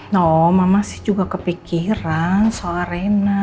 no mama sih juga kepikiran soal arena